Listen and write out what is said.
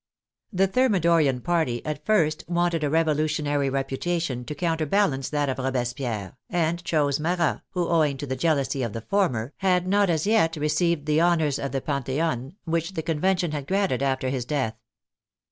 The Thermidorian party at first wanted a revolutionary reputation to counterbalance that of Robespierre, and chose Marat, who, owing to the jealousy of the former, had not as yet received the honors of the Pantheon, which the Convention had granted after his death.